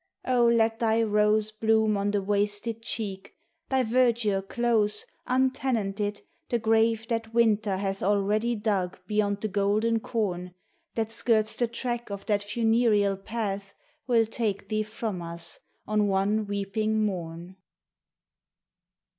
Oh, let thy rose Bloom on the wasted cheek, thy verdure close, Untenanted, the grave that winter hath Already dug beyond the golden corn That skirts the track of that funereal path Will take thee from us on one weeping morn